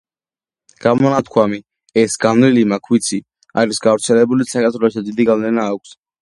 გამონათქვამი''ეს განვლილი მაქ ვიცი'' არის გავრცელებული საქართველოში და დიდი გავლენა აქვს